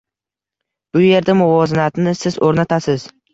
Bu yerda muvozanatni siz oʻrnatasiz.